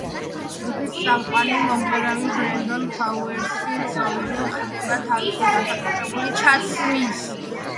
ჯგუფის წამყვანი მომღერალი ბრენდონ ფლაუერსი ცნობილი ხდება თავისი განსაკუთრებული ჩაცმის სტილით.